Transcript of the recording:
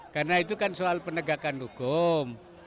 karena itu kan soal penegakan hukum